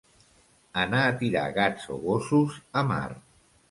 Anar a tirar gats o gossos a mar.